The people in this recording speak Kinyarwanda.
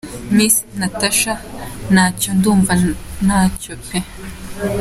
Miss Natacha : Ntacyo ; ndumva ntacyo pe !.